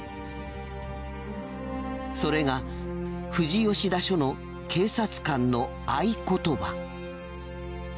それが富士吉田署の警察官の合言葉。